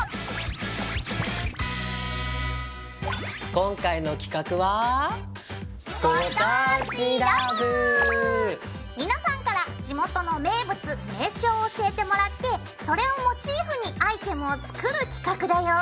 今回の企画は皆さんから地元の名物名所を教えてもらってそれをモチーフにアイテムを作る企画だよ。